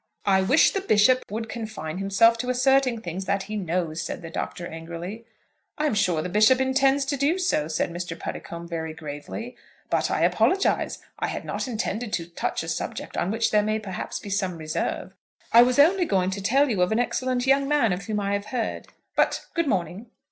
"I wish the Bishop would confine himself to asserting things that he knows," said the Doctor, angrily. "I am sure the Bishop intends to do so," said Mr. Puddicombe, very gravely. "But I apologise. I had not intended to touch a subject on which there may perhaps be some reserve. I was only going to tell you of an excellent young man of whom I have heard. But, good morning."